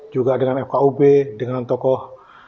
juga dengan fkub dengan tokoh